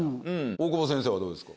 大久保先生はどうですか？